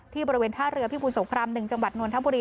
ที่บริเวณท่าเรือพิบูรณ์สกรรม๑จังหวัดนวลธังบุรี